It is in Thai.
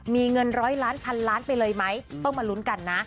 มีเงินร้อยล้านพันล้านไปเลยไหมต้องมาลุ้นกันนะ